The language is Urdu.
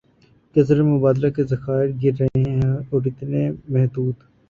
کہ زر مبادلہ کے ذخائر گر رہے ہیں اور اتنے محدود